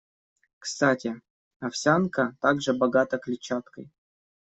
Кстати, овсянка также богата клетчаткой.